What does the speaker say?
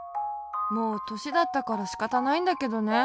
もうとしだったからしかたないんだけどね。